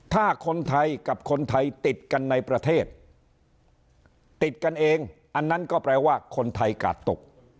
ถ้าคนไทยกับคนไทยติดกันในประเทศติดกันเองอันนั้นก็แปลว่าคนไทยกาดตก